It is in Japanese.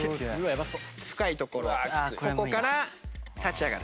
深いところここから立ち上がる。